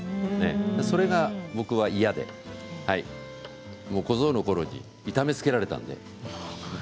それが僕は嫌で小僧のころに痛めつけられたので。